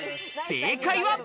正解は。